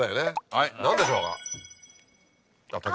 はい何でしょうか。